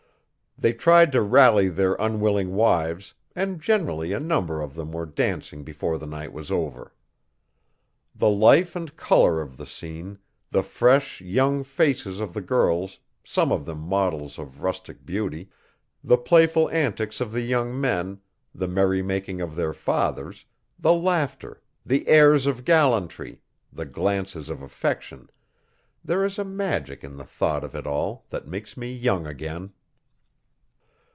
They tried to rally their unwilling wives, and generally a number of them were dancing before the night was over. The life and colour of the scene, the fresh, young faces of the girls some of them models of rustic beauty the playful antics of the young men, the merrymaking of their fathers, the laughter, the airs of gallantry, the glances of affection there is a magic in the thought of it all that makes me young again.